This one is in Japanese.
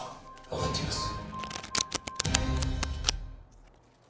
わかっています。